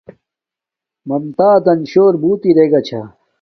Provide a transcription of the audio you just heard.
ممتݳزَن شݸر بُݸت اِرݵگݳ چھݳ.